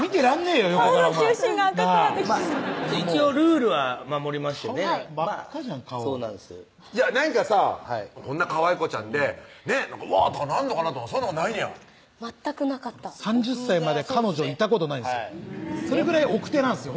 お前顔の中心が赤くなってきちゃった一応ルールは守りましてね真っ赤じゃん顔なんかさこんなかわいこちゃんでワーッとかなんのかなとそういうのがないねや全くなかった３０歳まで彼女いたことないんですそれぐらい奥手なんですよ